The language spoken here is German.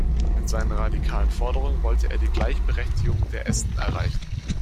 Mit seinen radikalen Forderungen wollte er die Gleichberechtigung der Esten erreichen.